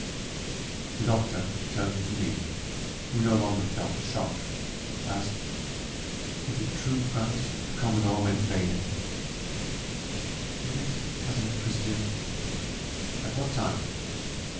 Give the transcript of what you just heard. The doctor, turning to me, who no longer felt the shock, asked: "Is it true, Frantz, that the commodore went in bathing?" "Yes, Cousin Christian." "At what time?"